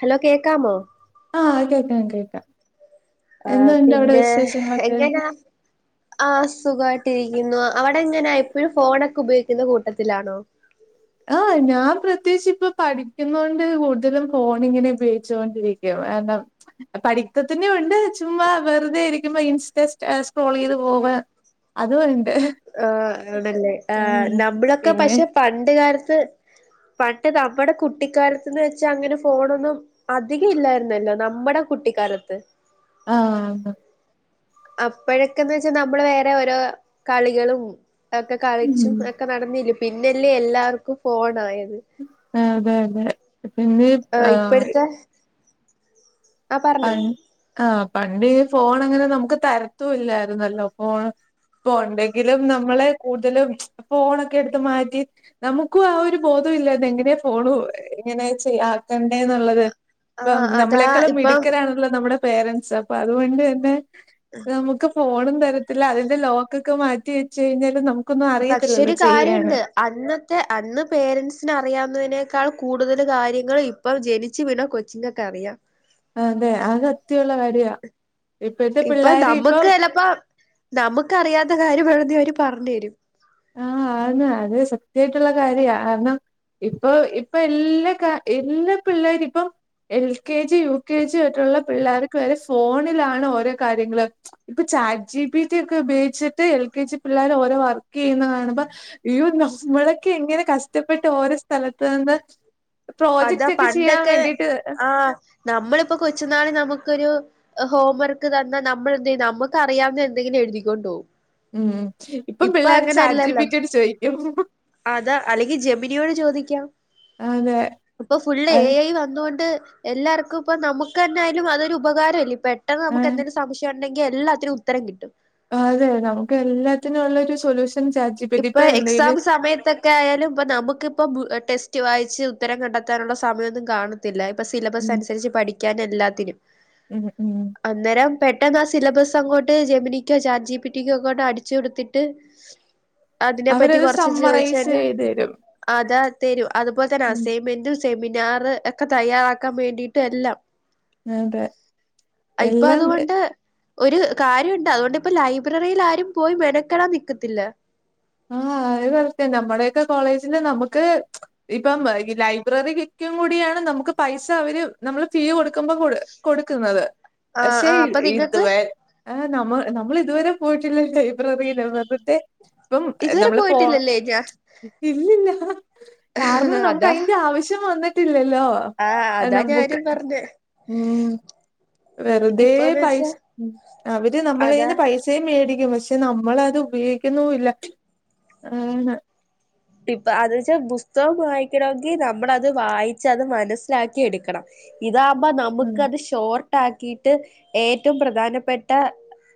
Hello കേക്കാമോ ആഹ് കേക്കാം കേക്കാം ആഹ് എന്തുണ്ട് അവിടെ പിന്നെ വിശേഷങ്ങളൊക്കെ എങ്ങനാ ആ സുഖമായിട്ടിരിക്കുന്നു അവിടെ എങ്ങനെയാ എപ്പോഴും ഫോണൊക്കെ ഉപയോഗിക്കുന്ന കൂട്ടത്തിലാണോ? ആ് ഞാൻ പ്രത്യേകിച്ച് ഇപ്പൊ പഠിക്കുന്നണ്ട് കൂടുതലും ഫോണിങ്ങനെ ഉപയോഗിച്ചു കൊണ്ടിരിക്കും കാരണം. പഠിത്തത്തിന്റെ ഉണ്ട് ചുമ്മാ വെറുതെ ഇരിക്കുമ്പോ ഇൻസ്റ്റ സ്ക്രോൾ ചെയ്ത് പോവ അത് ഉണ്ട് ആ ആണല്ലേ ആ ഉം നമ്മളൊക്കെ പിന്നെ പക്ഷെ പണ്ട് കാലത്ത്. പണ്ട് നമ്മുടെ കുട്ടിക്കാലത്ത്ന്ന് വെച്ചാ അങ്ങനെ ഫോണൊന്നും. അധികം ഇല്ലായിരുന്നല്ലോ നമ്മടെ കുട്ടിക്കാലത്ത് ആഹ് അപ്പഴൊക്കെന്ന് വെച്ചാ നമ്മള് വേറെ ഓരോ കളികളും ഒക്കെ കളിച്ചും ഉം അ ക്കെ നടന്നെല്ലിയോ പിന്നല്ലേ എല്ലാവർക്കും ഫോണായത് ആഹ് അതെ അതെ പിന്നെ ആ ആഹ് ഇപ്പഴത്തെ ആഹ് പ പറഞ്ഞോ ആ പണ്ട് ഫോണങ്ങനെ നമുക്ക് തരുത്തു ഇല്ലായിരുന്നല്ലോ ഫോണ് ഇപ്പ ഒണ്ടെങ്കിലും നമ്മള് കൂടുതലും ഫോണൊക്കെ എടുത്ത് മാറ്റി നമുക്കും ആ ഒരു ബോധം ഇല്ലായിരുന്ന് എങ്ങനെയാ ഫോണു എങ്ങനെയ ചെയ്യ ആക്കണ്ടേന്നുള്ളത് ഇപ്പം ആഹ് അതാ നമ്മളെക്കാളും മിടി ഇപ്പം നമ്മടെ പേരൻസാ അപ്പ അതൊണ്ട് തന്നെ നമുക്ക് ഫോണും തെരത്തില്ല അതിന്റെ ലോക്കൊക്കെ മാറ്റി വെച്ച് കഴിഞ്ഞാല് നമുക്കൊന്നും പക്ഷെ അറിയത്തില്ലല്ലോ ഒരു ചെയ്യാന് കാര്യണ്ട് അന്നത്തെ അന്ന് പേരൻസിന് അറിയാവുന്നതിനേക്കാൾ കൂടുതല് കാര്യങ്ങള് ഇപ്പം ജനിച്ച് വീണ കൊച്ചിങ്ങക്കറിയാം അതെ അത് അത്യയോള്ള കാര്യാ ഇപ്പൊ നമ്മുക്ക് ചെലപ്പ നമുക്കറിയാത്ത കാര്യം വേണൊങ്കി അവര് പറഞ്ഞു തെരും ആഹ് ആന്ന് അത് സത്യായിട്ടുള്ള കാര്യാ കാർണം ഇപ്പൊ ഇപ്പ എല്ലാ കാ എല്ലാ പിള്ളേരിപ്പം L K G U K G തൊട്ടുള്ള പിള്ളാര്ക്ക് വരെ ഫോണിലാണ് ഓരോ കാര്യങ്ങള് ഇപ്പൊ ചാറ്റ് ജി പി റ്റി ഒക്കെ ഉപയോഗിച്ചിട്ട് എൽ കെ ജി പിള്ളാര് ഓരോ വർ ക്കെയ്യുന്നത് കാണുമ്പ നമ്മളൊക്കെ എങ്ങനെ കഷ്ടപ്പെട്ട് ഓരോ സ്ഥലത്തു നിന്ന് അതാ പ്രോജക്റ്റ് ഒക്കെ ചെയ്യാൻ പണ്ടൊക്കെ വേണ്ടിട്ട് ആഹ് നമ്മളിപ്പോ കൊച്ചുനാളി നമുക്കൊരു ഹോം വർക്ക് തന്നാ നമ്മൾ എന്തെയും നമുക്ക് അറിയാവുന്ന എന്തെങ്കിലും എഴുതിക്കൊണ്ടു പോം ഉം ഇപ്പം പിള്ളാര് ചാറ്റ് ജീ പി റ്റി യോട് ചോദിക്കും അതാ അല്ലെങ്കി ജെമിനിയോട് ചോദിക്കാം അതെ ഇപ്പൊ ഫുള്ള് എ അത് ഐ വന്നോണ്ട് എല്ലാർക്കും ഇപ്പ നമുക്ക് തന്നെ ആയാലും അതൊരു ഉപകാരല്ലേ പെട്ടെന്ന് ആഹ് നമുക്കെന്തെങ്കിലും സംശയം ഒണ്ടെങ്കി എല്ലാത്തിനും ഉത്തരം കിട്ടും അതെ നമുക്ക് എല്ലാത്തിനും ഒള്ളൊരു solution chat G P T ഇപ്പൊ ഇപ്പം എക്സാം എന്തെലും സമയത്തെ ക്കെ ആയാലും ഇപ്പം നമുക്കിപ്പം ടെസ്റ്റ് വായിച്ച് ഉത്തരം കണ്ടെത്താനുള്ള സമയൊന്നും കാണ ഇതിലാ ഇപ്പ സിലബസ് ഉം അനുസരിച്ച് പഠിക്കാനും എല്ലാത്തിനും ഉം ഉം അന്നേരം പെട്ടെന്ന് ആ സിലബസ് അങ്ങോട്ട് ജെമിനിക്കോ ചാറ്റ് ജീ പി റ്റി ക്കോ അങ്ങോട്ട് അടിച്ചു കൊടുത്തിട്ട് അതിനെപ്പറ്റി അവരത് കുറച്ച് സമ്മറൈസ് ചോദിച്ചന്നെ ചെയ്ത് തെരും അതാ തെരും അതുപോലെ തന്നെ അസൈയ്മെന്റും സെമിനാറ് ഒക്കെ തയ്യാറാക്കാൻ വേണ്ടിയിട്ട് എല്ലാം അതെ ഇപ്പ എല്ലാം അതുകൊണ്ട് ഒരു കാര്യോണ്ട് അതു കൊണ്ടിപ്പം ലൈബ്രറിയില് ആരും പോയി മെനക്കെടാൻ നിക്കത്തില്ല ആ ആര് പറഞ്ഞ് നമ്മുടെയൊക്കെ കോളേജില് നമുക്ക് ഇപ്പം ഈ ലൈബ്രറി ക്കും കൂടിയാണ് നമുക്ക് പൈസ അവര് നമ്മള് ഫീ കൊടുക്കുമ്പോ കൊട് കൊടുക്കുന്നത് ആഹ് പക്ഷെ ആഹ് അപ്പൊ നിങ്ങക്ക് ഇതുവെ ആഹ് നമ്മ നമ്മള് ഇതുവരെ പോയിട്ടില്ല ലൈബ്രറിയില് [unintelligible] ഇപ്പം ഇതുവരെ നമ്മള് പോ പോയിട്ടില്ലല്ലേ ഞാൻ ഇല്ലില്ല കാരണം നമുക്ക് അതാ അയിന്റെ ആവശ്യം വന്നിട്ടില്ലല്ലോ? ആഹ് ആ അതാ നമുക്ക് ഞാനും പറഞ്ഞെ ഉം വെറുതെ ഇപ്പൊന്ന് വെച്ചാ പൈസ അവര് അതാ നമ്മളേന്ന് പൈ സേയും മേടിക്കും പക്ഷെ നമ്മളത് ഉപയോഗിക്കുന്നുല്ല ആണ് ഇപ്പ അത് വെച്ചാ പുസ്തകം വായിക്കണോങ്കി നമ്മളത് വായിച്ച് അത് മനസ്സിലാക്കി എടുക്കണം ഇതാമ്പം ഉം നമുക്ക് അത് ഷോർട്ടാക്കിട്ട് ഏറ്റവും പ്രധാനപ്പെട്ട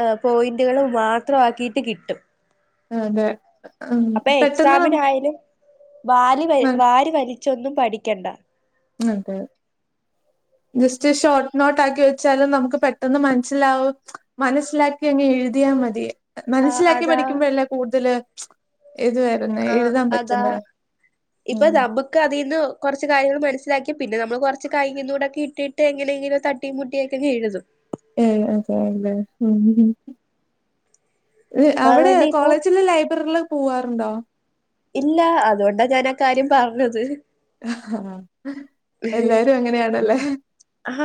ആ പോയിന്റുകള് മാത്രവാക്കിയിട്ട് കിട്ടും അതെ ഉം അപ്പൊ പെട്ടെന്ന് എക്സാമിനായാലും വാരി വ ഉം വാരി വലിച്ചൊന്നും പഠിക്കണ്ട അതെ ജസ്റ്റ് ഷോർട്ട് നോട്ട് ആക്കി വെച്ചാലും നമുക്ക് പെട്ടെന്ന് മനസ്സിലാവും മനസ്സിലാക്കി അങ്ങെ എഴുതിയാൽ മതി ആഹ് മനസ്സിലാക്കി അതാ പഠിക്കുമ്പോഴല്ല കൂടുതൽ ഇത് വരുന്നെ ആഹ് എഴുതാൻ അതാ പറ്റുന്നെ ഇപം ഉം നമു മുക്ക് അതീന് കുറച്ച് കാര്യങ്ങൾ മനസിലാക്കി പിന്നെ നമ്മ കുറച്ച് കൈയി കൂക്കെ ഇട്ട് ഇട്ട് എങ്ങനെങ്കിലും തട്ട തട്ടിയും മുട്ടിയും എക്കെങ്ഴുതും ഏഹ് എഹ് അഹ് അതെ അല്ലേ ഉം അപ്പൊ അവിടെ അതുകൊണ്ട് ഇപ്പൊ കോളേജിലെ ലൈബ്രറിലൊക്കെ പോവാറുണ്ടോ ഇല്ല അതുകൊണ്ടാ ഞാൻ ആഹ് കാര്യം പറഞ്ഞത് [unintelligible] ആഹ് ആഹ് എല്ലാരും അങ്ങനെയാണല്ലേ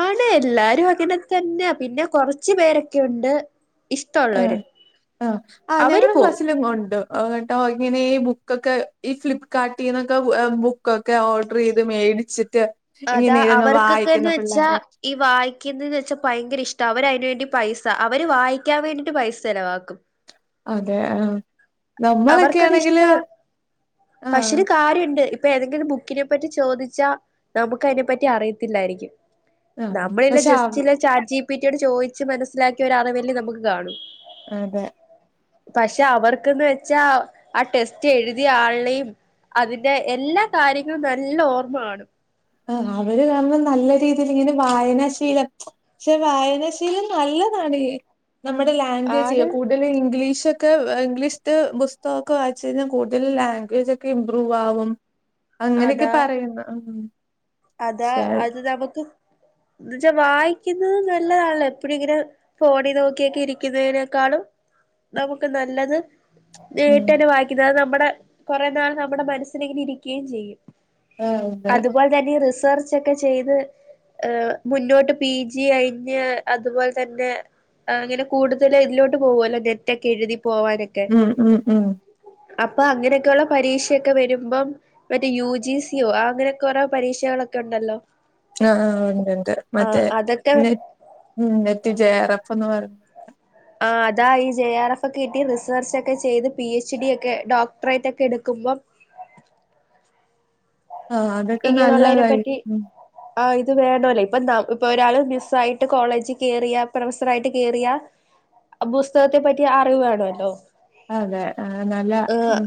ആണ് എല്ലാരും അങ്ങനെ തന്നെയ പിന്നെ കൊറച്ചു പേരൊക്കെണ്ട് ആഹ് ആഹ് ആഹ് അവര് ഞങ്ങളും പോവും ക്ലാസ്സില ഉണ്ട് കേട്ടോ ഇങ്ങനെ ബുക്ക് ബുക്ക് ഒക്കെ ഈ ഫ്ലിപ്പ്കാർട്ടിൽ നിന്നൊക്കെ ബുക്കൊക്കെ ഓർഡർ ചെയ്ത് മേടിച്ചിട്ട് അതാ ഇങ്ങനെ ഇരുന്ന് അവർക്കൊക്കെ വായിക്കുന്ന എന്ന് വെച്ചാ പിള്ളേരെ ഈ വായിക്കുന്നന്ന് വെച്ചാൽ ഭയങ്കര ഇഷ്ടം അവര് അതിന് വേണ്ടി പൈസ അവര് വായിക്കാൻ വേണ്ടിയിട്ട് പൈസ ചെലവാക്കും അതെ ആഹ് അവർക്കത് ഇഷ്ടാ ആഹ് പക്ഷരു കാര്യണ്ട് ഇപ്പൊ ഏതെങ്കിലും ബു ക്കിനെ പറ്റി ചോദിച്ചാ നമുക്ക് അതിനെപ്പറ്റി അറിയത്തില്ലായിരിക്കും ആഹ് നമ്മളല്ല പക്ഷെ അവ ജസ്റ്റ് ഇല്ല ചാജി പിറ്റിയോട് ചോദിച്ചു മനസ്സിലാക്കി ഒരാറ വല്ലേ നമുക്ക് കാണും അതെ പക്ഷെ അവർക്കന്ന് വെച്ചാ ആഹ് ടെസ്റ്റ് എഴുതിയ ആളിനെയും അതിന്റെ എല്ലാ കാര്യങ്ങളും നല്ല ഓർമ്മകാണും ആഹ് അവര് കാരണം നല്ല രീതിയിൽ ഇങ്ങനെ വായനാ ശീലം പക്ഷെ വായനാശീലം നല്ലതാണ് നമ്മുടെ ലാംഗ്വേജ് കൂ ആണ് കൂടുൽ ഇംഗ്ലീഷ്ക്കെ ഇംഗ്ലീഷ് പുസ്തകൊക്കെ വായിച്ച് കഴിഞ്ഞാൽ കൂടുതൽ ലാംഗ്വേജ് ഒക്കെ ഇമ്പ്രൂവ് ആവും അങ്ങനെയൊക്കെ അതാ പറയുന്ന അതാ അത് നമുക്ക് എന്ന് വച്ചാ വായിക്കുന്നത് നല്ലതാണല്ലോ എപ്പോഴ ഇങ്ങനെ ഫോണിൽ നോക്കിയൊക്കെ ഇരിക്കുന്നതിനേക്കാളും നമുക്ക് നല്ലത് ഉം നേട്ടന്നെ വായിക്കുന്നത് അത് നമ്മുടെ കുറെ നാൾ നമ്മുടെ മനസ്സിനെങ്ങനെ ഇരിക്കുകയും ചെയ്യും ആ ഉണ്ട് അതുപോലെ തന്നെ റിസർച്ച് ഒക്കെ ചെയ്ത് ഏഹ് മുന്നോട്ട് പി ജി കഴിഞ്ഞ് അതുപോലെ തന്നെ അങ്ങനെ കൂതൽ ഇലോട്ട് പോമല്ലോ നെറ്റൊക്കെ എഴുതി പോവാന് ഉം ഉം ഉം അപ്പൊ അങ്ങനെയൊക്കെയ ഉള്ള പരീക്ഷയൊക്കെ വരുമ്പം മറ്റേ യു ജി സി അങ്ങനെയൊക്കെറ പരീക്ഷകളൊക്കെ ഉണ്ടല്ലോ ആഹ് ആഹ് ആഹ് ഉണ്ട് ഉണ്ട് മറ്റേ ആഹ് അതൊക്കെ നെ നെറ്റ് ജയ ആർഫ്ന്ന് പറ ആഹ് അതാ ഈ ജെ ആർ എഫ് ഒക്കെ കിട്ടി റിസർച്ച് ഒക്കെ ചെയ്ത് പി എച്ച് ഡി ഒക്കെ ഡോക്ടറേറ്റ് ഒക്കെ എടുക്കുമ്പോം ആഹ് അതൊക്കെ നല്ലതായി ആഹ് ഇത് വേണല്ലേ ഇപ്പൊ ന ഇപ്പൊ ഒരാള് മിസ് ആയിട്ട് കോളേജിൽ കേയറിയാ പ്രൊഫസർ ആയിട്ട് കേയറിയാ പുസ്തകത്തെ പറ്റി അറിവ് വേണല്ലോ അതെ ആഹ് നല്ല ഏഹ് ഉം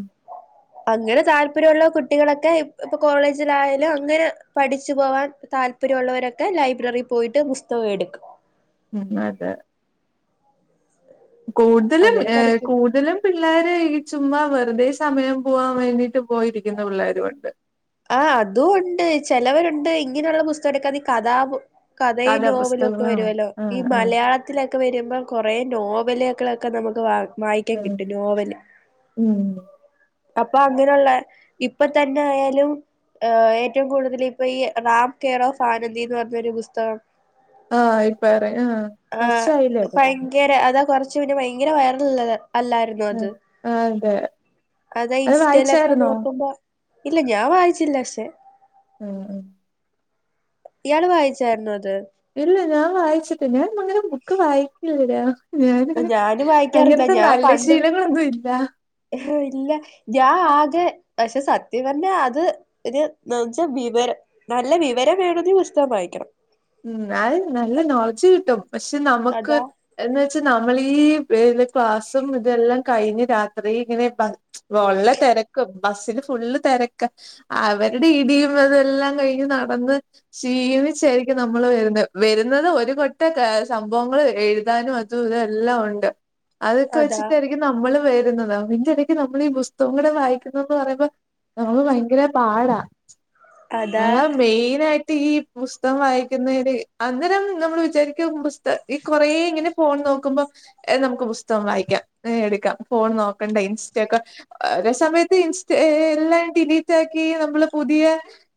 അങ്ങനെ താല്പര്യമുള്ള കുട്ടികളൊക്കെ ഇപ്പൊ കോളേജ് ലായാലും അങ്ങനെ പഠിച്ചു പോകൻ താല്പര്യമ ഉുള്ളവരൊക്കെ ലൈബ്രറിൽ പോയിട്ട് പുസ്തകം എടുക്കും ഉം അതെ കൂടുതലും അങ്ങനെ ഏഹ് പഠിക്കും കൂടുതലും പിള്ളേര് ഈ ചുമ്മ വെറുതെ സമയം പോവാൻ വേണ്ടിട്ട് പോയിരിക്കുന്ന പിള്ളേരുംണ്ട് ആഹ് അതും ഉണ്ട് ചെിലവരുണ്ട് ഇങ്ങനെയുള്ള പുസ്തകം എടുക്കെ അത് കഥാപ കഥയും നോവലും ഒക്കെ കഥാപുസ്തകങ്ങളാണ് വരുവല്ലോ ആ ഈ ആ മലയാളത്തി ത്തിലൊക്കെ വരുമ്പോ കൊറേ നോവലുകളൊക്കെ നമുക്ക് വാ വായിക്കാൻ ആ കിട്ടും നോവല് ഉം അപ്പോ അങ്ങനുള്ള ഇപ്പ തന്നെ ആയാലും ഏഹ് ഏറ്റവും കൂടുതല് ഇപ്പ ഈ റാം കെയർ ഓഫ് ആനന്ദി എന്ന് പറഞ്ഞൊരു പുസ്തകം ആ ഇപ്പ ഇറ ആ കൊറച്ചായില്ലേ ആഹ് ഇറങ്ങി ഫയങ്കര അതാ കൊറ ച്ച് പിന്നേ ഭയങ്കര വൈറൽള്ളത് അല്ലായിരുന്നു ആ അത്. ആ അതെ അതാ അത് ഇൻസ്റ്റയിലൊക്കെ വായിച്ചായിരുന്നോ നോക്കുമ്പോ ഇല്ല ഞാൻ വായിച്ചില്ല പക്ഷേ ഉം ഉം ഇയാള് വായിച്ചായിരുന്നോ അത് ഇല്ല ഞാൻ വായിച്ചിട്ട് ഞാൻ അങ്ങനെ ബുക്ക് വായിക്കില്ലരാ ഞാന് ഞാനും വായിക്കാറില്ല അങ്ങനത്തെ ഞാൻ നല്ല പണ്ട് ശീലങ്ങളൊന്നും ഇല്ല ഇല്ല ഞാൻ ആകെ പക്ഷേ സത്യം പറഞ്ഞാ അത് ഒരു എന്ന്ച്ചാ വിവരം നല്ല വിവരം വേണങ്കി പുസ്തകം വായിക്കണം ഉം ന്നാലും നല്ല നോളജ് കിട്ടും. പക്ഷേ നമക്ക് അതാ എന്ന് വെച്ചാ നമ്മളീ പെ പെ ക്ലാസ്സും ഇതെല്ലാം കഴിഞ്ഞ് രാത്രി ഇങ്ങനെ പ വോള്ള തെരക്കും ബസ്സിന് ഫുള്ള് തെരക്കാ അവരടെ ഇടിയും അതെല്ലാം കഴിഞ്ഞ് നടന്ന് ക്ഷീണിച്ചായ് ക്കും നമ്മള് വരുന്ന്. വരുന്നത് ഒരു കൊട്ട സംഭവങ്ങൾ എഴുതാനും അതും ഇതെല്ലാം ഒണ്ട് അതോക്ക അതാ വച്ചിട്ടായിരി ക്കും നമ്മള് വരുന്നത്. അതിന്റെടക്ക് നമ്മൾ ഈ ബുസ്തകം കൂടെ വായിക്കണംന്ന് പറയുമ്പോ നമ്മള് ഭയങ്കര പാടാ. അതാ മെയിനായിട്ട് ഈ പുസ് പുസ്തകം വായിക്കുന്നവര്. അന്നേരം നമ്മള് വിചാരിക്കും ബുസ്ത ഈ കൊറേ ഇങ്ങനെ ഫോൺ നോക്കുമ്പോ ഏഹ് നമുക്ക് ബുസ്തകം വായിക്കാം. ഏഹ് എടുക്കാം. ഫോൺ നോക്കണ്ട. ഇൻസ്റ്റ ഒക്കെ ഒരേ സമയത്ത് ഇൻസ്റ്റ ഏഹ് എല്ലാം ഡെലീറ്റാക്കി ആക്കി നമ്മള് പുതിയ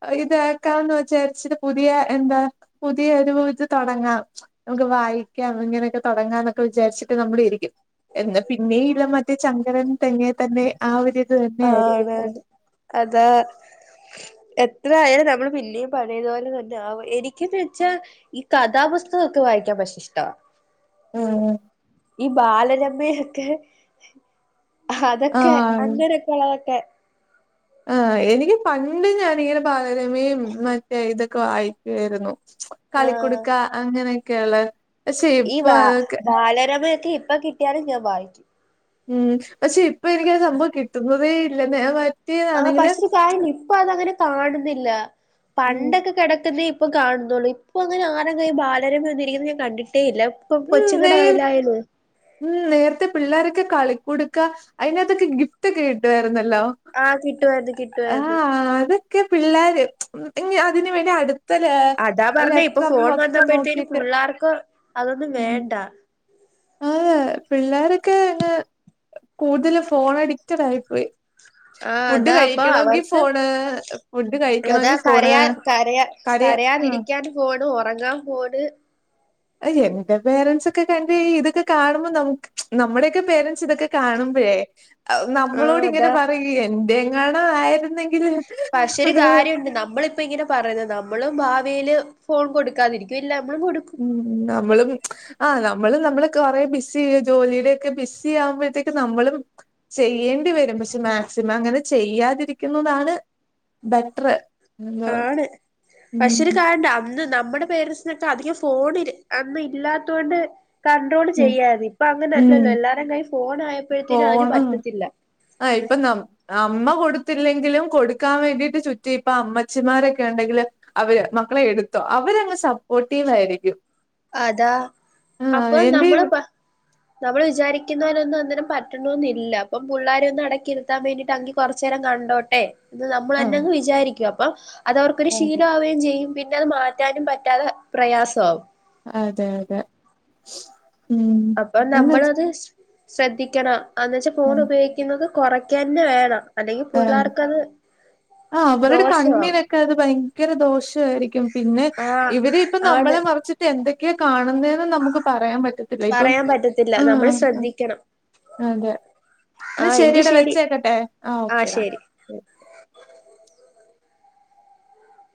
ഏഹ് ഇതക്കാംന്ന് വിചാരിച്ചിട്ട് പുതിയ എന്താ? പുതിയ ഒരു ഇത് തൊടങ്ങാം നമുക്ക് വായിക്കാം. ഇങ്ങനെയൊക്കെ തൊടങ്ങാം എന്നൊക്കെ വിചാരിച്ചിട്ട് നമ്മളിരിക്കും. എന്നാ പിന്നെയില്ല മറ്റേ ചങ്കരൻ തെങ്ങേതന്നെ ആ ഒരു ആണാആണ്. അതാ എത്ര ആയാലും നമ്മള് പിന്നെയും പഴയതുപോലെ തന്നാ. ആഹ് എനിക്കന്ന് വെച്ചാ ഈ കഥാപുസ്തക ഒക്കെ വായിക്കാൻ പക്ഷേ ഇഷ്ടാ ഉം ഈ ബാലരമയൊക്കെ അതൊക്കെ ആഹ് അങ്ങനെയൊക്കെള്ളതൊക്കെ ആഹ് എനിക്ക് പണ്ട് ഞാനിങ്ങനെ ബാലരമയും മറ്റേ ഇതൊക്കെ വായിക്കുവായിരുന്നു ആഹ് കളിക്കുടുക്ക അങ്ങനെയൊക്കെയള്ള ഈ വാ ബാലരമയൊക്കെ ഇപ്പ കിട്ടിയാലും ഞാൻ വായിക്കും ഉം പക്ഷേ ഇപ്പ എനിക്ക് ആ സംഭവം കിട്ടുന്നതേ ഇല്ലന്നേ ഏഹ് വാ ആഹ് പക്ഷ ഒരു കാര്യംണ്ട്. ഇപ്പോ അതങ്ങനെ കാണുന്നില്ല. ഉം പണ്ടൊക്കെ കടക്കുന്നി കാണുന്നൊള്ളൂ. ഇപ്പോ അങ്ങനെ ആരും കയ്യില് ബാലരമ ഒന്നും ഇരിക്കുന്നത് ഞാൻ കണ്ടിട്ടേയില്ല. ഇപ്പം ഉം കൊച്ചുങ്ങടെ നേർ കയ്യിലായാലു ഉം. നേരത്തെ പിള്ളേരൊക്കെ കളിക്കുടുക്ക അതിനകത്തൊക്കെ ഗിഫ്റ്റൊക്കെ കിട്ടുവായിരുന്നല്ലോ. ആഹ് കിട്ടുവായിരുന്നു. കിട്ടുവായിരുന്നു. ആഹ് അതൊക്കെ പിള്ളേര് ഞ്ഞി അതിന് വേണ്ടി അടു അതാ പറഞ്ഞേയിപ്പോ ഫോൺ വന്നപ്പഴത്തേനും നോക്കിട്ട് പുള്ളാർക്കതൊന്നും വേണ്ട. ആഹ്. പിള്ളേരൊക്കെ അങ്ങ് കൂടുതല് ഫോൺ അഡിക്റ്റഡായി പോയി. ആഹ്. ഫുഡ് അതാ അപ്പോ കഴിക്കണമെങ്കിൽ അവർക്ക് ഫോണ് ഫുഡ് അതാ കഴിക്കണമെങ്കിൽ ഫോണ് കരയാൻ കരയാ കരയ ആ കരയാതിരിക്കാൻ ഫോണ്. ഒറങ്ങാൻ ഫോണ്. പേരൻറ്സ് ഒക്കെ കണ്ടുകഴിയും. ഇതൊക്കെ കാണുമ്പോൾ നമുക്ക് നമ്മുടെയൊക്കെ പേരൻറ്സിതൊക്കെ കാണുമ്പളേ ഏഹ് ആ നമ്മളോടിങ്ങനെ അതാ പറയും. എന്റെയെങ്ങാനുമായിരുന്നേ പക്ഷേ യൊരുകാര്യമുണ്ട് നമ്മള് ഇപ്പമിങ്ങനെ പറയുന്നു. നമ്മളും ഭാവിയില് ഫോൺ കൊടുക്കാതിരിക്കും, ഇല്ല നമ്മളു കൊടുക്കും നമ്മളും ആ നമ്മള്, നമ്മള് കൊറെ ബിസ്സി ചെയ്തു ജോലിയുടെയൊക്കെ ബിസ്സിയാകുമ്പോളത്തേക്കും നമ്മളും ചെയ്യേണ്ടി വരും. പക്ഷേ മാക്സിമമങ്ങനെ ചെയ്യാതിരിക്കുന്നതാണ് ബെറ്ററ് ആണ്, പക്ഷേയൊരു കാര്യമുണ്ട് അന്ന് നമ്മുടെ പേരൻസ് അധികം ഫോണ് അന്ന് ല്ലാത്തതുകൊണ്ട് ഉം കൺട്രോൾചെയ്യുവായിരുന്നു. ഇപ്പൊ ഉം അങ്ങനെയല്ലല്ലോ, എല്ലാ വരുടെ കൈയിൽ ഫോണായപ്പോളത്തേനും ഫോണ് അതിനുപറ്റത്തില്ല ആഹ്... ഇപ്പ നമ്മ അമ്മ കൊടുത്തില്ലെങ്കിലും കൊടുക്കാൻ വേണ്ടിയിട്ട് ചുറ്റി ഇപ്പ അമ്മച്ചിമാരൊക്കെയുണ്ടെങ്കില് അവരുമക്കളെയെടുത്തോ, അവരങ്ങ് സപ്പോർട്ടീവായിരിക്കും അതാ എന്റെ അപ്പൊനമ്മളു ഇവ് പ നമ്മള്‌ വിചാരിക്കുന്ന പോലൊന്നും അന്നേരം പറ്റണമെന്നില്ല, അപ്പം പിള്ളാരെയൊന്നും അടക്കിയിരുത്താൻ വേണ്ടിയിട്ട് അങ്ങി കൊറച്ചു നേരം കണ്ടോട്ടെ ഇത്, ആഹ് നമ്മളുതന്നങ്ങു വിചാരിക്കും. അപ്പൊ അത് അവർക്കൊരു അതെ ശീലമാവുകയുംചെയ്യും. പിന്നെയത് മാറ്റ മാറ്റാനും പറ്റാതെ പ്രയാസമാവും അതെയതെ അപ്പൊ നമ്മളതു ശ്ര.. ശ്രദ്ധിക്കണം. എന്നു വെച്ചാ ഫോണു ആഹ് പയോഗി ക്കുന്നത് കുറയ്ക്ക തന്നെ വേണം. അല്ലെങ്കിൽ ആഹ് പിള്ളാർക്കതു ആഹ് അവരുടെ ദോഷമാവും കണ്ണിനൊക്കെ അത് ഭയങ്കര ദോഷമായിരിക്കും പിന്നെ ആഹ് ഇവരിപ്പം ആണ് നമ്മളെ മറച്ച് എന്തൊക്കെയാ കാണുന്നേന്ന് നമുക്കു പറയാൻ പറ്റത്തില്ല ഇപ്പം പറയാൻ പറ്റത്തില്ല നമ്മൾ ആഹ്... ശ്രദ്ധിക്കണം അതെ എന്നാ ആഹ് എങ്കി ശരിയെടാ, ശരി വെച്ചേക്കട്ടെ ആഹ്.. ഓക്കെടാ